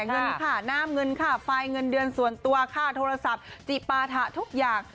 เงินค่าน้ำเงินค่าไฟเงินเดือนส่วนตัวค่าโทรศัพท์จิปาถะทุกอย่าง